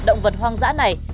động vật hoang dã này